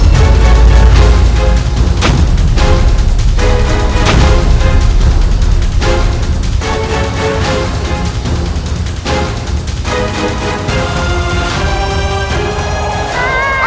biarkan aku membantumu untuk melawan mahesha